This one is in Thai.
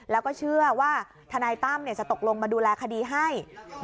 แล้วก็เชื่อว่าทนายตั้มจะตกลงมาดูแลคดีให้